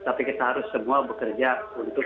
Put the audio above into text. tapi kita harus semua bekerja untuk